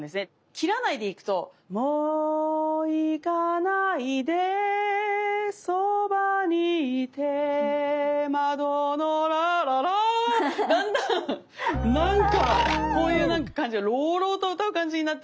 切らないでいくともういかないでそばにいてまどのラララだんだん何かこういう何か感じで朗々と歌う感じになってしまいますよね。